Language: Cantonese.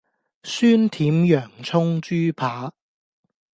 酸甜洋蔥豬排